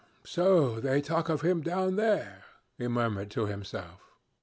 'Ah! So they talk of him down there,' he murmured to himself.